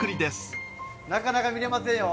なかなか見れませんよ。